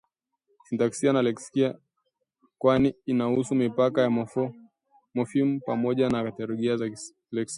sintaksia na leksia kwani inahusu mipaka ya mofimu pamoja na kategoria za kileksia